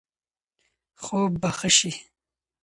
خوب به ښه شي.